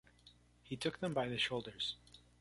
He took them by the shoulders.